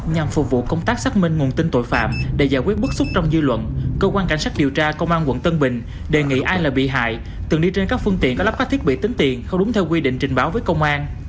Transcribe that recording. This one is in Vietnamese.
nhằm phục vụ công tác xác minh nguồn tin tội phạm để giải quyết bức xúc trong dư luận cơ quan cảnh sát điều tra công an quận tân bình đề nghị ai là bị hại từng đi trên các phương tiện có lắp các thiết bị tính tiền không đúng theo quy định trình báo với công an